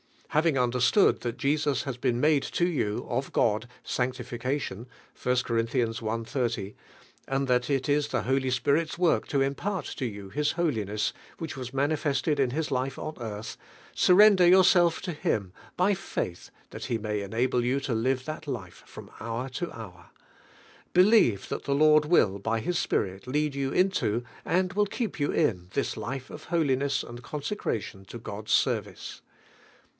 Having understood fhal .Jesus DIVIHB HTTALnTG. 77 has been made onto you of God sanclifi eation (I. Cor. i. 3ft), and that it is ihc Holy Spirit's work (o impart to you Hia holiness which was manifested in His fife on earth, surrender yourself to nim by faith that He may enable you to live that life from hour to hour. Relieve that the Lord will by nis Spirit lead you into, and keep you in this life of holiness and of cimsccrai ion lo God's service.